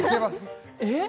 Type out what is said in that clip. えっ？